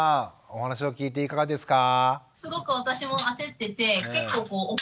お話を聞いていかがですか？